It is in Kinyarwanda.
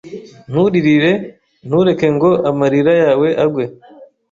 Nturirire Ntureke ngo amarira yawe agwe!